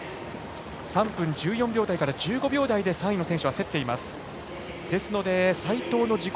３分１４秒台から１５秒台で３位の選手は競っています、齋藤の自己